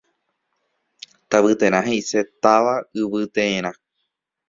Tavyterã heʼise “táva yvyteerã”.